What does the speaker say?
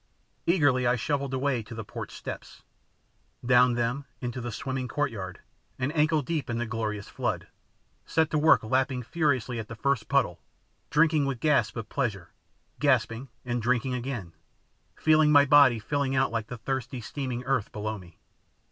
Eagerly I shuffled away to the porch steps, down them into the swimming courtyard, and ankle deep in the glorious flood, set to work lapping furiously at the first puddle, drinking with gasps of pleasure, gasping and drinking again, feeling my body filling out like the thirsty steaming earth below me.